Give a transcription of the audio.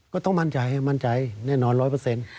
ก็ต้องมั่นใจมั่นใจแน่นอน๑๐๐